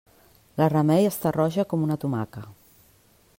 La Remei està roja com una tomaca.